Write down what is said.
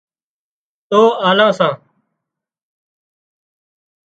تو آلان سان